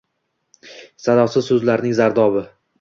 Sadosiz so‘zlaring zardobi.